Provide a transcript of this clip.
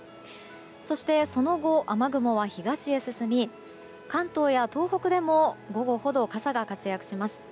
そしてその後、雨雲は東へ進み関東や東北でも午後ほど傘が活躍します。